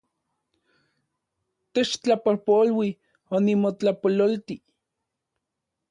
Techtlapojpolui, onimotlapololti